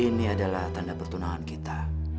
ini adalah tanda pertunangan kita